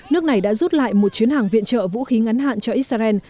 nước này đã rút lại một chuyến hàng viện trợ vũ khí ngắn hạn cho israel